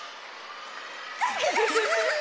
ウフフフ。